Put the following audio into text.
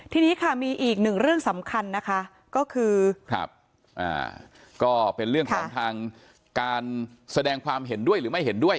ทีนี้ค่ะมีอีกหนึ่งเรื่องสำคัญนะคะก็คือครับก็เป็นเรื่องของทางการแสดงความเห็นด้วยหรือไม่เห็นด้วย